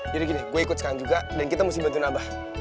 jadi gini gue ikut sekarang juga dan kita mesti bantu abah